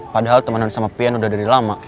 padahal teman sama pian udah dari lama